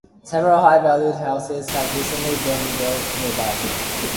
Several high value houses have recently been built nearby.